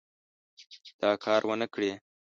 دا کار ونه کړي.